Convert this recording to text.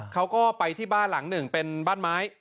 เขาก็ไปที่บ้านหลังหนึ่งเป็นบ้านไม้